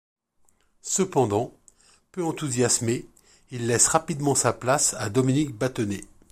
Cependant, peu enthousiasmé, il laisse rapidement sa place à Dominique Bathenay.